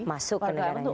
masuk ke negaranya